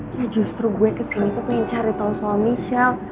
ya justru gue kesini tuh pengen cari tau soal michelle